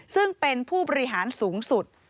ซึ่งเป็นผู้บริหารสูงสุด